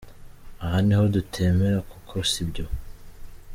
Aha niho tutemera kuko si byo.